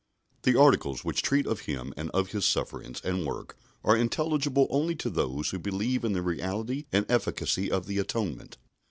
The articles which treat of Him and of His sufferings and work are intelligible only to those who believe in the reality and efficacy of the Atonement.